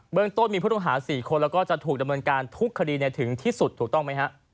เรื่องต้นมีผู้ต้องหา๔คนแล้วก็จะถูกดำเนินการทุกคดีถึงที่สุดถูกต้องไหมฮะ